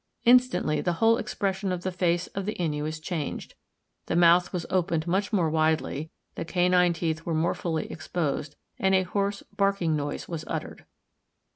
Instantly the whole expression of the face of the Inuus changed; the mouth was opened much more widely, the canine teeth were more fully exposed, and a hoarse barking noise was uttered.